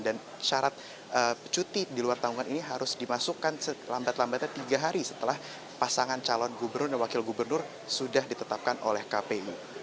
dan syarat cuti di luar tanggungan ini harus dimasukkan lambat lambatnya tiga hari setelah pasangan calon gubernur dan wakil gubernur sudah ditetapkan oleh kpu